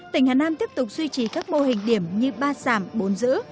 tỉnh hà nam tiếp tục duy trì các mô hình điểm như ba sàm bốn giữ